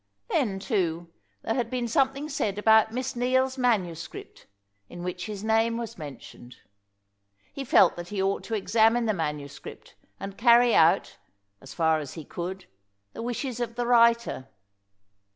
Then, too, there had been something said about Miss Neale's manuscript, in which his name was mentioned. He felt that he ought to examine the manuscript, and carry out, as far as he could, the wishes of the writer.